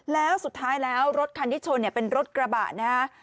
แล้วสุดท้ายแล้วรถคันที่ชนเนี่ยเป็นรถกระบะนะฮะ